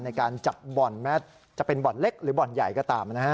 ในการจับบ่อนแม้จะเป็นบ่อนเล็กหรือบ่อนใหญ่ก็ตามนะฮะ